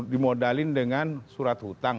dimodalin dengan surat hutang